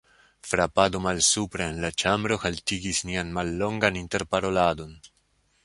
Frapado malsupre en la ĉambro haltigis nian mallongan interparoladon.